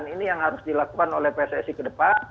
ini yang harus dilakukan oleh pssi ke depan